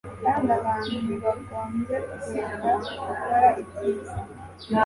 kandi abantu ntibagombye kureka gukora ibyiza.